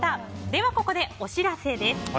ではここで、お知らせです。